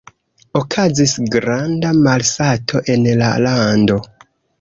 Okazis granda malsato en la lando.